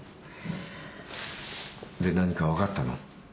で何か分かったの？